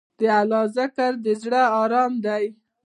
د الله ذکر، د زړه ارام دی.